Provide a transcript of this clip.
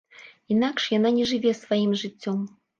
Інакш яна не жыве сваім жыццём.